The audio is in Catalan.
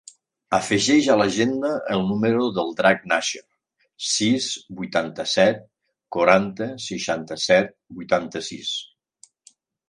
Afegeix a l'agenda el número del Drac Nacher: sis, vuitanta-set, quaranta, seixanta-set, vuitanta-sis.